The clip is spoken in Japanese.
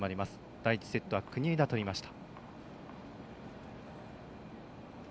第１セットは国枝、取りました。